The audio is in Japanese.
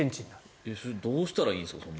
それはどうしたらいいんですか？